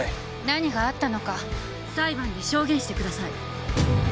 何があったのか裁判で証言してください。